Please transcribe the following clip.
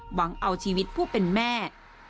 หวังเอาชีวิตผู้เป็นแม่